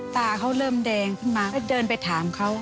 ตาเขาเริ่มแดงขึ้นมาก็เดินไปถามเขา